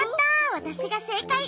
わたしがせいかい。